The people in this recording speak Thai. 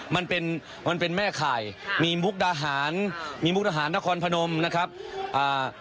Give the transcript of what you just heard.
มันเป็นมันเป็นแม่ข่ายมีมุกดาหารมีมุกดาหารนครพนมนะครับอ่า